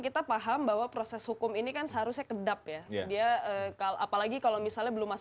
kita paham bahwa proses hukum ini kan seharusnya kedap ya dia kalau apalagi kalau misalnya belum masuk